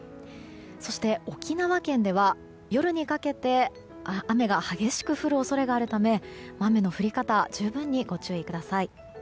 そして沖縄県では夜にかけて雨が激しく降る恐れがあるため雨の降り方十分にご注意ください。